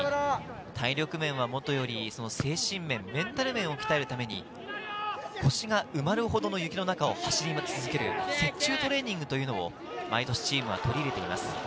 体力面はもとより、その精神面、メンタル面を鍛えるために、腰が埋まるほどの雪の中を走り続ける雪中トレーニングというのを毎年チームは取り入れています。